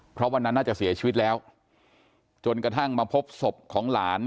เพราะวันนั้นน่าจะเสียชีวิตแล้วจนกระทั่งมาพบศพของหลาน